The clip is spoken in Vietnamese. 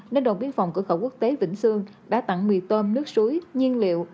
nên đồng biên phòng cửa khẩu quốc tế bình xương đã tặng mì tôm nước suối nhiên liệu